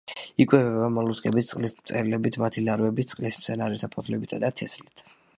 იკვებება მოლუსკებით, წყლის მწერებით, მათი ლარვებით, წყლის მცენარეთა ფოთლებითა და თესლით.